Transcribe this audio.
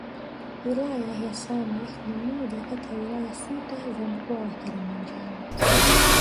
Wilaya ya Same ni moja kati ya Wilaya sita za mkoa wa Kilimanjaro